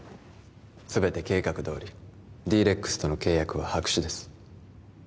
全て計画どおりＤ−ＲＥＸとの契約は白紙です